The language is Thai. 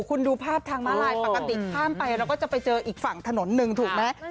คุณดูภาพทางม้าลายปกติข้ามไปเราก็จะไปเจออีกฝั่งถนนหนึ่งถูกไหม